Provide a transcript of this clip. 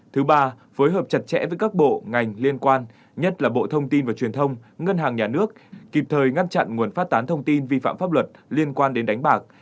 thứ ba phối hợp chặt chẽ với các bộ ngành liên quan nhất là bộ thông tin và truyền thông ngân hàng nhà nước kịp thời ngăn chặn nguồn phát tán thông tin vi phạm pháp luật liên quan đến đánh bạc